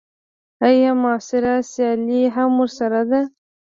ایا معاصره سیالي هم ورسره ده.